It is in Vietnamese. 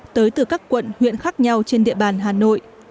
tới từ các quận huyện khác nhau trên địa bàn hà nội